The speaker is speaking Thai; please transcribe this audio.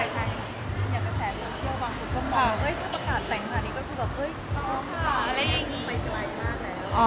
คือบอกเลยว่าเป็นครั้งแรกในชีวิตจิ๊บนะ